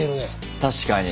確かに。